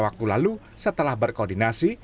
waktu lalu setelah berkoordinasi